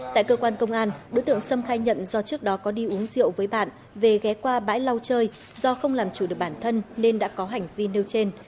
tại cơ quan công an đối tượng sâm khai nhận do trước đó có đi uống rượu với bạn về ghé qua bãi lau chơi do không làm chủ được bản thân nên đã có hành vi nêu trên